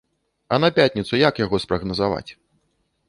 А на пятніцу як яго спрагназаваць?